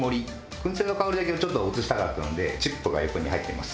燻製の香りだけをちょっと移したかったのでチップが横に入ってます。